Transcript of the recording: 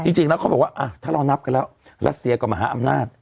จริงแล้วเขาบอกว่าถ้าเรานับกันแล้วรัสเซียกับมหาอำนาจ